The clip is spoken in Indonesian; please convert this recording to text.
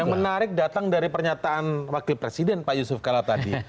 yang menarik datang dari pernyataan wakil presiden pak yusuf kala tadi